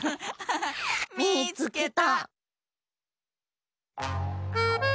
みいつけた！